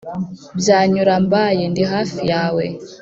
Byanyura mbaye ndi hafi yawe